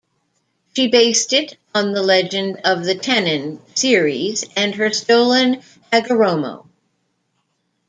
She based it on the legend of the "tennin" Ceres and her stolen "hagoromo".